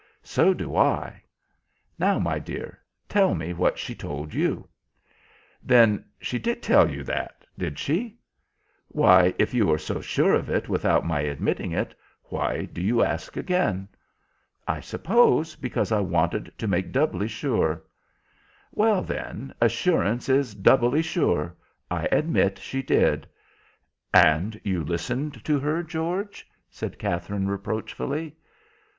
So do I. Now, my dear, tell me what she told you." "Then she did tell you that, did she?" "Why, if you are so sure of it without my admitting it, why do you ask again?" "I suppose because I wanted to make doubly sure." "Well, then, assurance is doubly sure. I admit she did." "And you listened to her, George?" said Katherine, reproachfully.